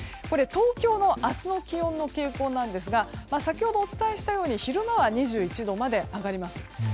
これ、東京の明日の気温の傾向なんですが先ほどお伝えしたように昼間は２１度まで上がります。